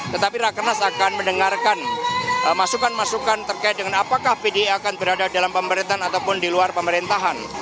tetapi rakernas akan mendengarkan masukan masukan terkait dengan apakah pdi akan berada dalam pemerintahan ataupun di luar pemerintahan